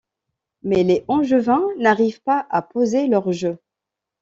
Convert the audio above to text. Mais les Angevins n’arrivent pas à poser leur jeu.